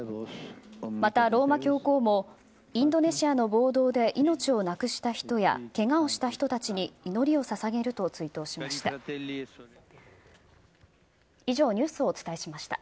また、ローマ教皇もインドネシアの暴動で命を亡くした人やけがをした人たちに祈りをささげると追悼しました。